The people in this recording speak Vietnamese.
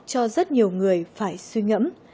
cho rất nhiều người phải suy ngẫm